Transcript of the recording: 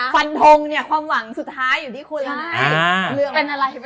ฟันทงเนี่ยความหวังสุดท้ายอยู่ที่คุณแล้วนะ